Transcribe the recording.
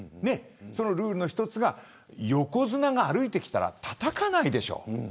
そのルールの一つが横綱が歩いてきたらたたかないでしょう。